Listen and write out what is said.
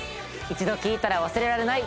一度聴いたら忘れられない